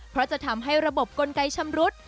เพราะจะทำให้ระบบกลไกชำรุด